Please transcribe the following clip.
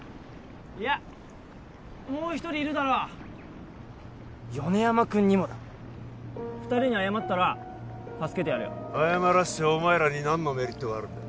いやもう一人いるだろ米山君にもだ二人に謝ったら助けてやるよ謝らせてお前らに何のメリットがあるんだよ